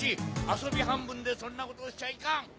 遊び半分でそんなことをしちゃいかん！